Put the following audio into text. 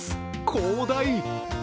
広大！